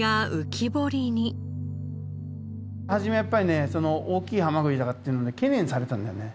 初めはやっぱりね大きいハマグリだっていうので懸念されたんだよね。